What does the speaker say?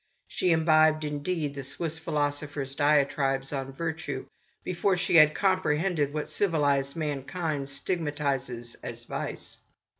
She imbibed, indeed, the Swiss philosopher's diatribes on virtue before she had comprehended what civilised man kind stigmatises as vice.